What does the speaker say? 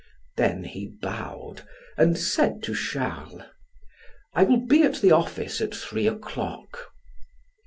Then he bowed, and said to Charles: "I will be at the office at three o'clock."